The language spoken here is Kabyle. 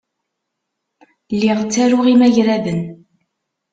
Lliɣ ttaruɣ imagraden.